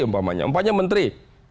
umpamanya umpanya menteri